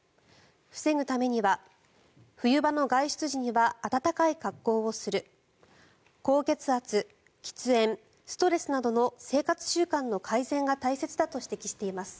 防ぐためには、冬場の外出時には暖かい格好をする高血圧、喫煙、ストレスなどの生活習慣の改善が大切だと指摘しています。